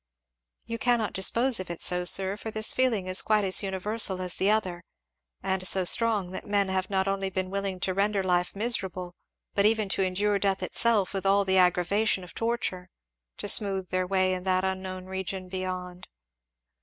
"You cannot dispose of it so, sir, for this feeling is quite as universal as the other; and so strong that men have not only been willing to render life miserable but even to endure death itself, with all the aggravation of torture, to smooth their way in that unknown region beyond."